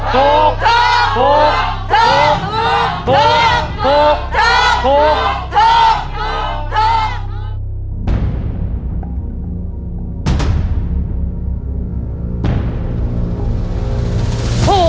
ถูกถูกถูกถูกถูกถูก